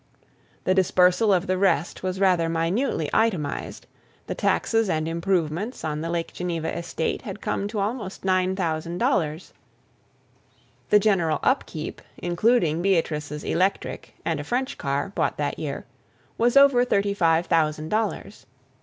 The dispersal of the rest was rather minutely itemized: the taxes and improvements on the Lake Geneva estate had come to almost nine thousand dollars; the general up keep, including Beatrice's electric and a French car, bought that year, was over thirty five thousand dollars.